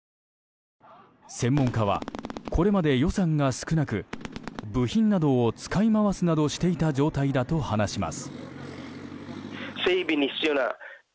専門家はこれまで予算が少なく部品などを使い回すなどしていた状態だと話します。